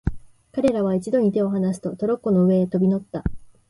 彼等は一度に手をはなすと、トロッコの上へ飛び乗った。